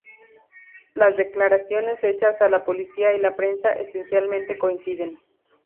Las declaraciones hechas a la policía y la prensa, esencialmente coinciden.